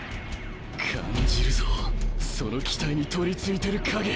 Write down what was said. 感じるぞその機体に取り憑いてる影。